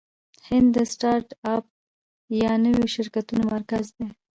هند د سټارټ اپ یا نویو شرکتونو مرکز دی.